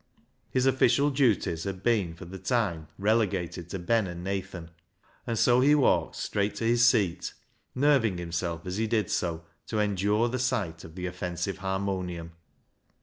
His official duties had been for the time relegated to Ben and Nathan, and so he walked straight to his seat, nerving himself as he did so to endure the sight of the offensive harmonium.